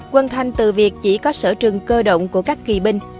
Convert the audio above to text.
quân thanh từ việc chỉ có sở trường cơ động của các kỳ binh